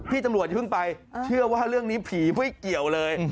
พี่ตำรวจอย่าเพิ่งไปเชื่อว่าเรื่องนี้ผีไม่เกี่ยวเลย